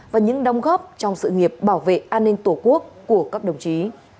và những đồng góp trong sự nghiệp bảo vệ an ninh tổ quốc của các đồng chí